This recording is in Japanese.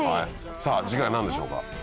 さぁ次回は何でしょうか？